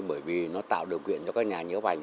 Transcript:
bởi vì nó tạo điều kiện cho các nhà nhấp ảnh